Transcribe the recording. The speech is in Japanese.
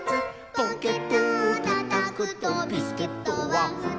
「ポケットをたたくとビスケットはふたつ」